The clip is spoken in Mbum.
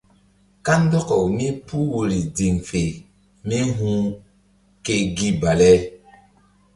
Kandɔkaw mípuh woyri ziŋ fe mí hu̧h ke gi bale.